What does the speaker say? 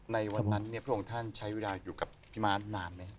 ในวันนั้นพระองค์ท่านใช้เวลาอยู่กับพี่มารนานไหม